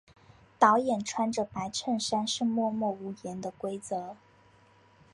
导演穿着白衬衫是默默无言的规则。